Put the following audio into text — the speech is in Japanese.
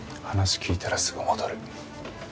話聞いたらすぐ戻る。